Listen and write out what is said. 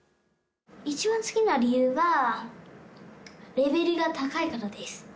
一番好きな理由は、レベルが高いことです。